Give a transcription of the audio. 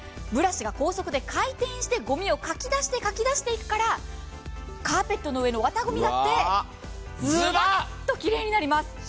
ブラシが高速で回転してごみをかき出してかき出していくからカーペットの上の綿ごみだってズバッときれいになります。